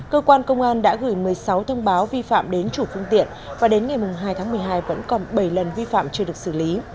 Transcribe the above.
cơ quan công an đã gửi một mươi sáu thông báo vi phạm đến chủ phương tiện và đến ngày hai tháng một mươi hai vẫn còn bảy lần vi phạm chưa được xử lý